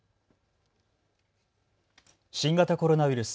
新型コロナウイルス。